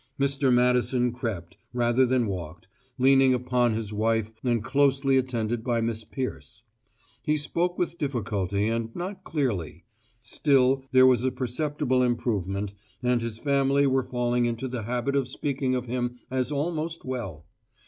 Mr. Madison crept, rather than walked, leaning upon his wife and closely attended by Miss Peirce. He spoke with difficulty and not clearly; still, there was a perceptible improvement, and his family were falling into the habit of speaking of him as almost well.